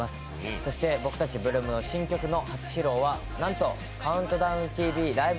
そして、僕たち８ＬＯＯＭの新曲の初披露はなんと「ＣＤＴＶライブ！